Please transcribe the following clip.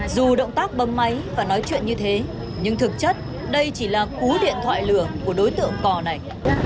dù động tác bấm máy và nói chuyện như thế nhưng thực chất đây chỉ là cú điện thoại lửa của đối tượng cò này